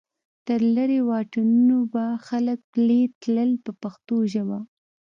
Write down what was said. تر لرې واټنونو به خلک پلی تلل په پښتو ژبه.